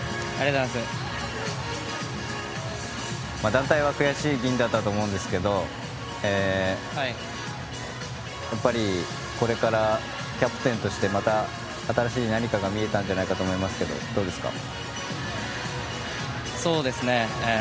団体は悔しい銀だったと思うんですけどやっぱり、これからキャプテンとしてまた新しい何かが見えたんじゃないかなと思いますが、どうですか？